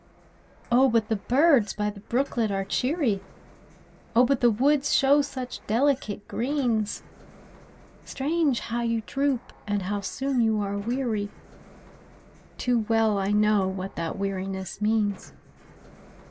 Oh, but the birds by the brooklet are cheery, Oh, but the woods show such delicate greens, Strange how you droop and how soon you are weary— Too well I know what that weariness means.